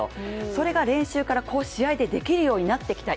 それで練習から、試合でできるようになってきた